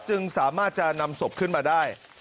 จึงสามารถจะนำศพขึ้นมาได้